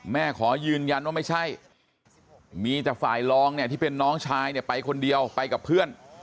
ขอยืนยันว่าไม่ใช่มีแต่ฝ่ายรองเนี่ยที่เป็นน้องชายเนี่ยไปคนเดียวไปกับเพื่อน